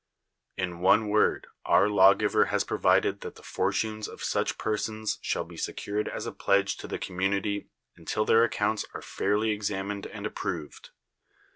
In one word, our lawgiver has pro vided that the fortunes of such persons shall be secured as a pledge to the community until their accounts are fairly examined and approved.